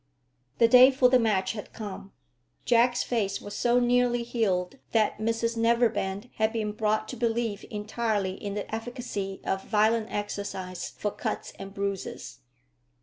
The day for the match had come. Jack's face was so nearly healed that Mrs Neverbend had been brought to believe entirely in the efficacy of violent exercise for cuts and bruises.